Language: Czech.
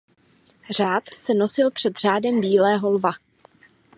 Řád se nosil před Řádem Bílého lva.